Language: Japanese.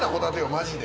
マジで。